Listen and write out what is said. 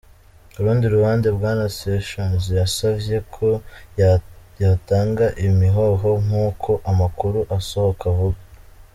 Ku rundi ruhande, Bwana Sessions yasavye ko yotanga imihoho, nkuko amakuru asohoka avuga.